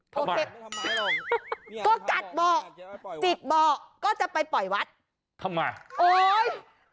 โอเคก็กัดเบาะจิกเบาะก็จะไปปล่อยวัดทำไมโอ้ย